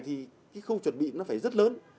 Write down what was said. thì khu chuẩn bị nó phải rất lớn